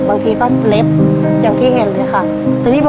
บางทีก็เล็บอย่างที่เห็นเลยค่ะ